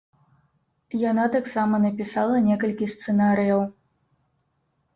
Яна таксама напісала некалькі сцэнарыяў.